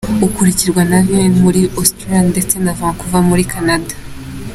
Ukurikirwa na Vienne muri Austria ndetse na Vancouver wo muri Canada.